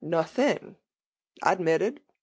* Nothing i admitted !